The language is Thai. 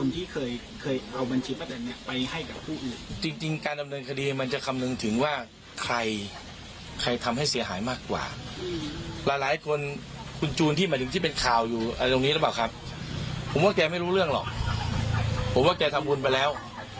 ที่เคยเคยเอาบัญชีป้าแตนเนี่ยไปให้กับผู้อื่นจริงการดำเนินคดีมันจะคำนึงถึงว่าใครใครทำให้เสียหายมากกว่าหลายหลายคนคุณจูนที่หมายถึงที่เป็นข่าวอยู่อะไรตรงนี้หรือเปล่าครับผมว่าแกไม่รู้เรื่องหรอกผมว่าแกทำบุญไปแล้ว